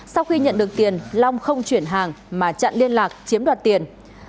sau khi nhận được tiền long không chuyển hàng mà chặn liên lạc chiếm đoạt tiền